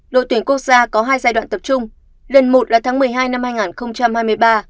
đội tuyển quốc gia có hai giai đoạn tập trung lần một là tháng một mươi hai năm hai nghìn hai mươi ba